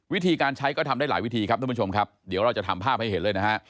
วิธีการใช้ก็ทำได้หลายวิธีครับท่านผู้ชมครับเดี๋ยวเราจะทำภาพให้เห็นเลยนะฮะ